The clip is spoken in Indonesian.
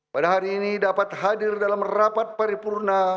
pada hari ini dapat hadir dalam rapat paripurna